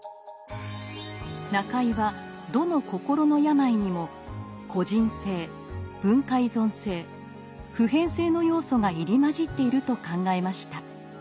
中井はどの心の病にも個人性文化依存性普遍性の要素が入り交じっていると考えました。